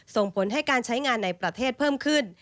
ส่งผลให้การใช้งานในประเทศเพิ่มขึ้น